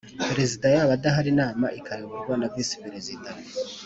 Perezida yaba adahari inama ikayoborwa na Visi Perezida